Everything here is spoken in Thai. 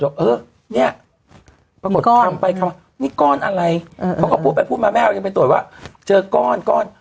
แม่เขาไปตรวจเออเนี่ยนี่ก้อนอะไรเขาก็พูดแม่ไปตรวจว่าเจอก้อนก้อน